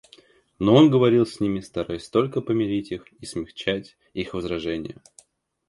Но он говорил с ними, стараясь только помирить их и смягчать их возражения.